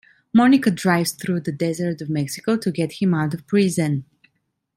Monica drives through the desert of Mexico to get him out of prison.